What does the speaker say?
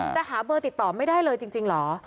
จะหาเบอร์ติดต่อไม่ได้เลยจริงเหรอ